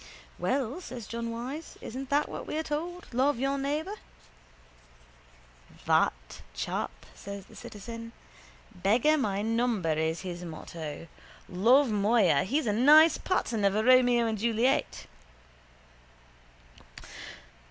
—Well, says John Wyse. Isn't that what we're told. Love your neighbour. —That chap? says the citizen. Beggar my neighbour is his motto. Love, moya! He's a nice pattern of a Romeo and Juliet.